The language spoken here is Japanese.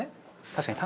確かに。